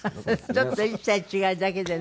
ちょっと１歳違うだけでね。